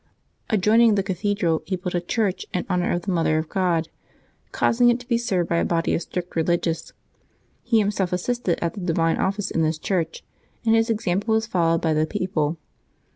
Adjoining the cathedral he built a church in honor of the Mother of God, causing it to be served by a body of strict religious. He himself assisted at the divine Office in this church, and his example was followed by the people.